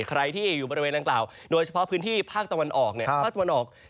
ใครที่อยู่บริเวณต่างกล่าวโดยเฉพาะพื้นที่ภาคตะวันออก